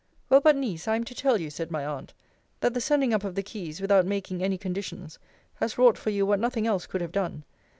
Well, but, Niece, I am to tell you, said my aunt, that the sending up of the keys, without making any conditions, has wrought for you what nothing else could have done.